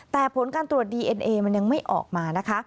แต่ผลการตรวจดีเอ็นเอมันยังไม่ออกมานะคะ